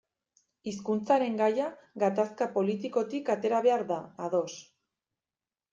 Hizkuntzaren gaia gatazka politikotik atera behar da, ados.